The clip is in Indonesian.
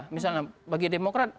misalnya bagi demokrat